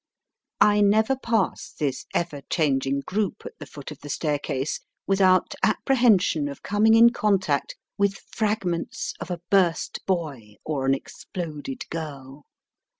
I never pass this ever changing group at the foot of the staircase without apprehension of coming in contact with fragments of a burst boy or an exploded girl.